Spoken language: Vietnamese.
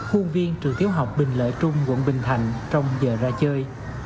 khuôn viên trường tiểu học bình lợi trung quận bình thạnh trong giờ ra chơi